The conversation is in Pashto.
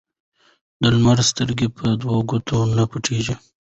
ـ د لمر سترګه په دو ګوتو نه پټيږي.